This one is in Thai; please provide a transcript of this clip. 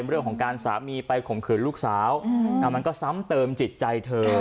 เรื่องของการสามีไปข่มขืนลูกสาวมันก็ซ้ำเติมจิตใจเธอ